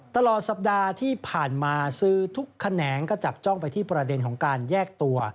ตลอดสัปดาห์ที่ผ่านมาซื้อทุกแขนงก็จับจ้องไปที่ประเด็นของการแยกตัว